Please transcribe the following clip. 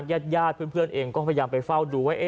ญาติเพื่อนเองก็พยายามไปเฝ้าดูว่า